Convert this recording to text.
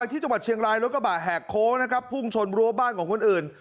ที่จังหวัดเชียงรายรถกระบะแหกโค้งนะครับพุ่งชนรั้วบ้านของคนอื่น